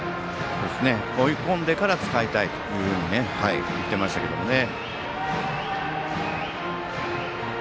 追い込んでから使いたいと言ってましたね。